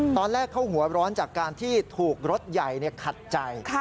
ตอนแรกเขาหัวร้อนจากการที่ถูกรถใหญ่ขัดใจ